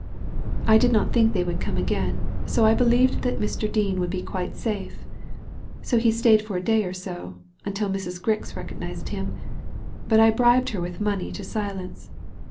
I did not think they would come again, so I believed that Mr. Dean would be quite safe. So he stayed for a day or so, until Mrs. Grix recognized him, but I bribed her with money to silence.